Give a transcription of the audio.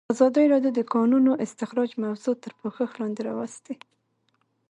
ازادي راډیو د د کانونو استخراج موضوع تر پوښښ لاندې راوستې.